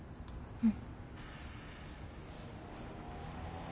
うん。